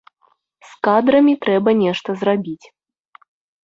З кадрамі трэба нешта зрабіць.